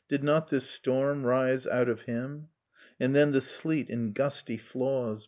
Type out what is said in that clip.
.. Did not this storm rise out of him? ... And then the sleet, in gusty flaws.